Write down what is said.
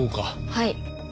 はい。